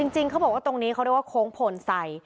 จริงเขาบอกว่าตรงนี้เขาเรียกว่าโค้งโพนใส่